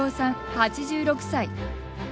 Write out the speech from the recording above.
８６歳。